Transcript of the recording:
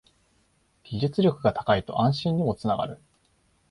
技術力が高いと安心にもつながる